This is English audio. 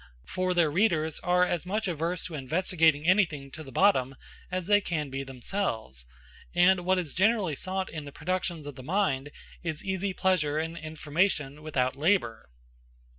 For their readers are as much averse to investigating anything to the bottom as they can be themselves; and what is generally sought in the productions of the mind is easy pleasure and information without labor.